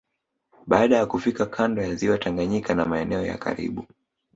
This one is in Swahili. Baada ya kufika kando ya ziwa Tanganyika na maeneo ya karibu